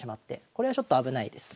これはちょっと危ないです。